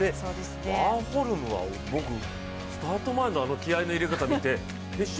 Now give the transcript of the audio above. ワーホルムはスタート前のあの気合いの入れ方見て、決勝？